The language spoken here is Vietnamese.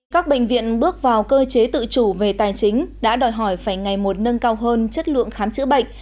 các bệnh viện bước vào cơ chế tự chủ về tài chính đã đòi hỏi phải ngày một nâng cao hơn chất lượng khám chữa bệnh